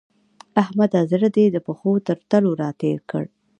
احمده! زړه دې د پښو تر تلو راتېر کړ.